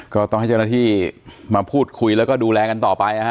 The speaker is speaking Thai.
ก็ต้องให้เจ้าหน้าที่มาพูดคุยแล้วก็ดูแลกันต่อไปนะฮะ